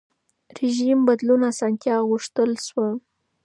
رژیم بدلون اسانتیا غوښتل شوه.